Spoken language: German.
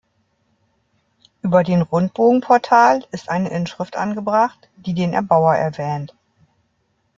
Über den Rundbogenportal ist eine Inschrift angebracht, die den Erbauer erwähnt.